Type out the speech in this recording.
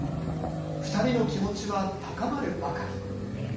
２人の気持ちは高まるばかり。